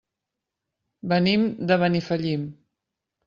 Venim de Benifallim.